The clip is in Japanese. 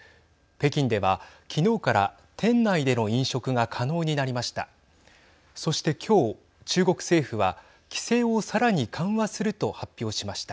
北京では昨日から店内での飲食が可能になりました。